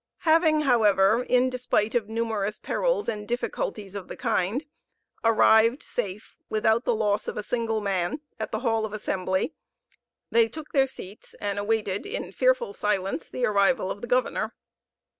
Having, however, in despite of numerous perils and difficulties of the kind, arrived safe, without the loss of a single man, at the hall of assembly, they took their seats, and awaited in fearful silence the arrival of the governor.